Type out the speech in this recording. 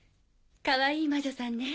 かわいい魔女さんね。